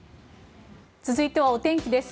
続いてはお天気です。